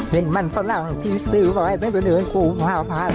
เห็นมันฝรั่งที่ซื้อไว้ตั้งแต่เดือนครูมหาพระ